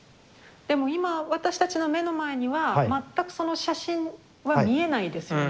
でも今私たちの目の前には全くその写真は見えないですよね